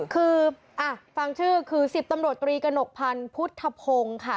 คือฟังชื่อคือ๑๐ตำรวจตรีกระหนกพันธ์พุทธพงศ์ค่ะ